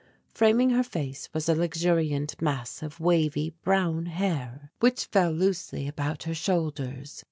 Framing her face was a luxuriant mass of wavy brown hair, which fell loosely about her shoulders.